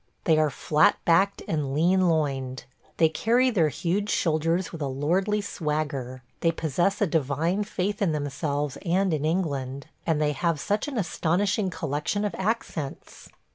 They are flat backed and lean loined; they carry their huge shoulders with a lordly swagger; they possess a divine faith in themselves and in England; and they have such an astonishing collection of accents!